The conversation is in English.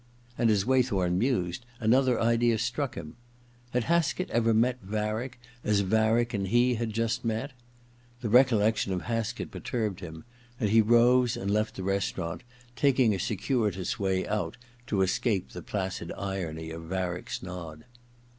And as Waythorn mused, another idea struck him : had Haskett ever met Varick as Varick and he had just met ? The recollection of Haskett perturbed him, and he rose and left the restaurant taking a circuitous way out to escape the placid irony of V arick's nod.